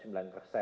itu aja dari saya